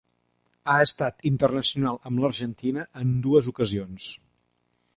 Ha estat internacional amb l'Argentina en dues ocasions.